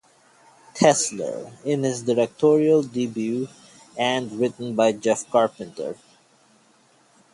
Tesler (in his directorial debut) and written by Jeff Carpenter.